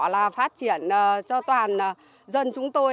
là phát triển cho toàn dân chúng tôi